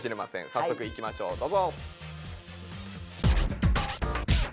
早速いきましょうどうぞ。